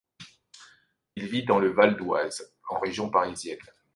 Il vit dans le Val-d'Oise, en région parisienne.